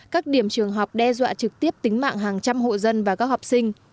các điểm trường học đe dọa trực tiếp tính mạng hàng trăm hộ dân và các học sinh